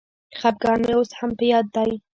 خپګان مي اوس هم په یاد دی.